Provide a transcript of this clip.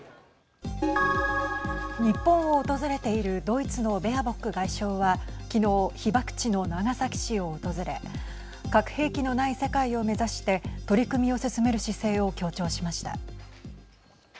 日本を訪れているドイツのベアボック外相はきのう、被爆地の長崎市を訪れ核兵器のない世界を目指して取り組みを進める姿勢を強調しました。